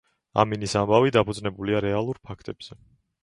ამინის ამბავი დაფუძნებულია რეალურ ფაქტებზე.